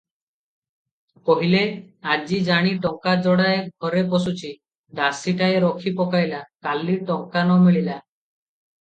କହିଲେ, "ଆଜି ଜାଣି ଟଙ୍କା ଯୋଡ଼ାଏ ଘରେ ପଶୁଛି, ଦାସୀଟାଏ ରଖି ପକାଇବା, କାଲି ଟଙ୍କା ନ ମିଳିଲା!